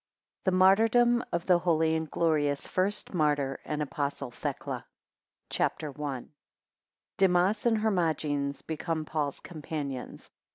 The martyrdom of the holy and glorious first Martyr and Apostle Thecla. CHAPTER I. 1 Demas and Hermogenes become Paul's companions.